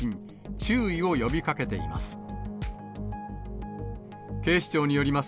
注意を呼びかけています。